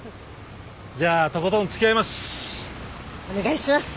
じゃあとことん付き合います。